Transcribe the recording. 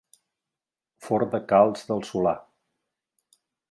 Forn de calç del Solà.